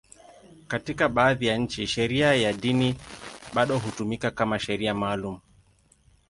Katika baadhi ya nchi, sheria ya dini bado hutumika kama sheria maalum.